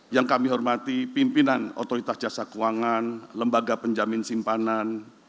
yang kami hormati pimpinan otoritas jasa keuangan lembaga penjamin simpanan